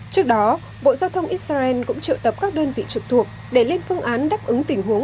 trước đó bộ giao thông israel cũng triệu tập các đơn vị trực thuộc để lên phương án đáp ứng tình huống